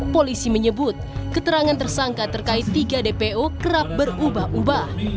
polisi menyebut keterangan tersangka terkait tiga dpo kerap berubah ubah